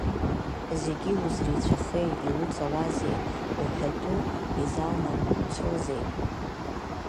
Зегьы узреицәахеи, иуҵалазеи, уҳәатәы изалнамцозеи?